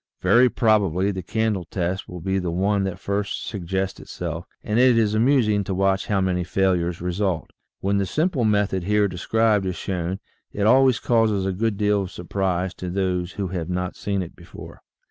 Very probably the candle test will be the one that first suggests itself, and it is amusing to watch how many fail ures result. When the simple method here described is shown it always causes a good deal of surprise to those who have not seen it before.